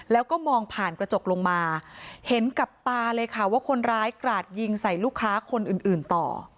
แล้วก็มองผ่านกระจกลงมาเห็นกับตาเลยค่ะว่าคนร้ายกราดยิงใส่ลูกค้าคนอื่นอื่นต่อ